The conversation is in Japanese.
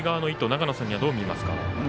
長野さんはどう見ますか？